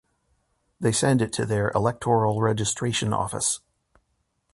They send it to their electoral registration office.